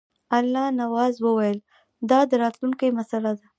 الله نواز وویل دا د راتلونکي مسله ده.